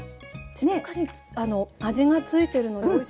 しっかり味がついてるのでおいしい。